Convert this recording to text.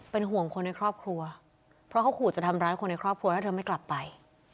เป็นห่วงคนในครอบครัวเพราะเขาขู่จะทำร้ายคนในครอบครัวถ้าเธอไม่กลับไป